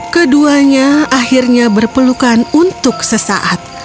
keduanya akhirnya berpelukan untuk sesaat